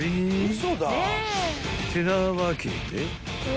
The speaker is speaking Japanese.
［ってなわけで］